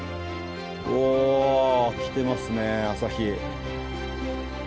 お来てますね朝日。